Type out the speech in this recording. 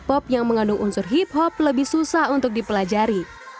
pop yang mengandung unsur hip hop lebih susah untuk dipelajari